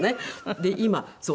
で今そう。